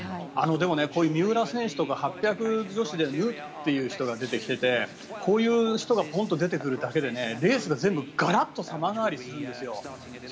でもこういう三浦選手とか８００ｍ女子ですごい人が出てきていてこういう人がポンッと出てくるだけでレースが全部がらっと様変わりするんですよ。